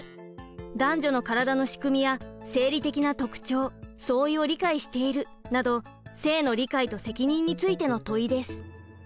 「男女のからだのしくみや生理的な特徴・相違を理解している」など性の理解と責任についての問いです。